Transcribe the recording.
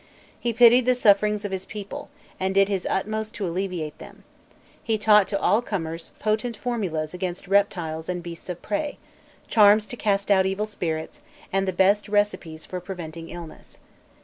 He pitied the sufferings of his people, and did his utmost to alleviate them; he taught to all comers potent formulas against reptiles and beasts of prey, charms to cast out evil spirits, and the best recipes for preventing illness.